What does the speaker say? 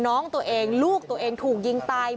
น้องตัวเองลูกตัวเองถูกยิงตาย